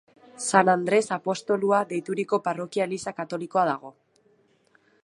San Andres apostolua deituriko parrokia-eliza katolikoa dago.